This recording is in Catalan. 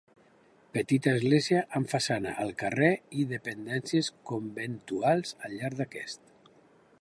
Petita església amb façana al carrer i dependències conventuals al llarg d'aquest.